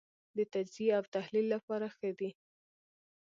د تجزیې او تحلیل لپاره ښه دی.